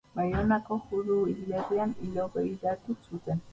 Baionako judu hilerrian hilobiratu zuten.